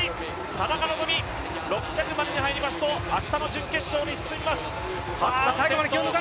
田中希実、６着までに入ると明日の準決勝に進みます。